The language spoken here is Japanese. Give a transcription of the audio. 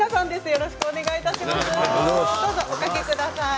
よろしくお願いします。